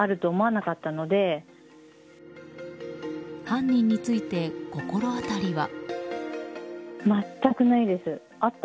犯人について心当たりは？